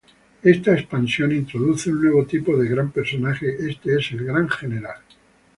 Esta expansión introduce un nuevo tipo de Gran personaje, este es el "Gran General".